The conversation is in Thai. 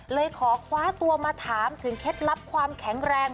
เลยขอคว้าตัวมาถามถึงเคล็ดลับความแข็งแรง